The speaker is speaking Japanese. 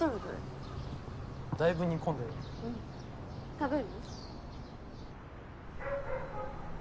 食べる？